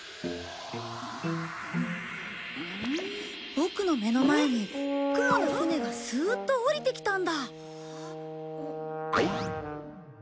ボクの目の前に雲の舟がスーッと下りてきたんだ。